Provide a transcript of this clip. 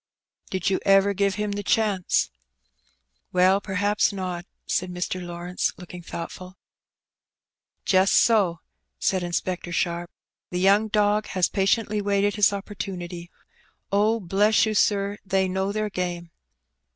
Did you ever give him the chance ?'* Well, perhaps not," said Mr. LawrencOj looking thoughtful. "Just so,'* said Inspector Sharp. "The young dog has patiently waited his opportunity. Oh, bless you, sir, they know their game."